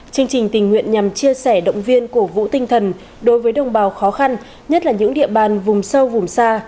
chương trình tình nguyện nhằm chia sẻ động viên cổ vũ tinh thần đối với đồng bào khó khăn nhất là những địa bàn vùng sâu vùng xa